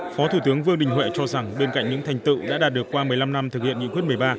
phó thủ tướng vương đình huệ cho rằng bên cạnh những thành tựu đã đạt được qua một mươi năm năm thực hiện nghị quyết một mươi ba